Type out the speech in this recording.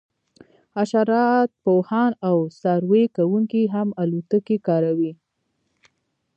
حشرات پوهان او سروې کوونکي هم الوتکې کاروي